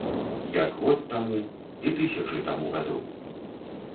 Як год таму і тысячы таму гадоў.